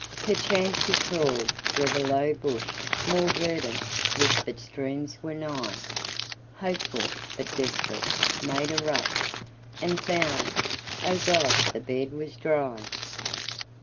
Perchance he crawled where the low bush, More verdant, whispered streams were nigh, Hopeful, but desperate, made a rush, And found, O God! the bed was dry!